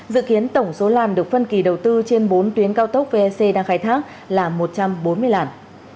dự kiến tổng số làn được phân kỳ đầu tư trên bốn tuyến cao tốc vec đang khai thác là một trăm bốn mươi làn